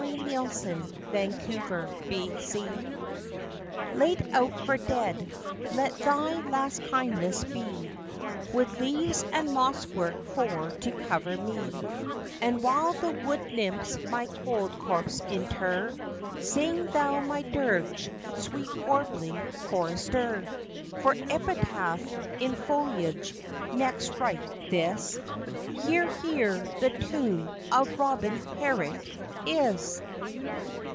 75. TO ROBIN RED BREAST Laid out for dead, let thy last kindness be With leaves and moss work for to cover me; And while the wood nymphs my cold corpse inter, Sing thou my dirge, sweet warbling chorister! For epitaph, in foliage, next write this: HERE, HERE THE TOMB OF ROBIN HERRICK IS!